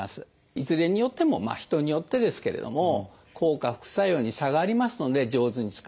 いずれによっても人によってですけれども効果副作用に差がありますので上手に使うということ。